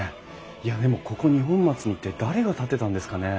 いやでもここ二本松に一体誰が建てたんですかね？